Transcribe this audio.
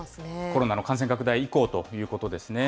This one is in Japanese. コロナの感染拡大以降ということですね。